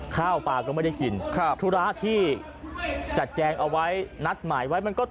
ข้าวปลาก็ไม่ได้กินครับธุระที่จัดแจงเอาไว้นัดหมายไว้มันก็